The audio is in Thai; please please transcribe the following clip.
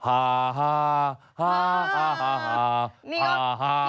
ฮาฮาฮาฮาฮา